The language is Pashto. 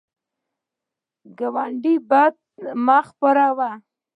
د ګاونډي بدي مه خپروه